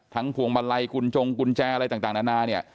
พวงมาลัยกุญจงกุญแจอะไรต่างนานาเนี่ย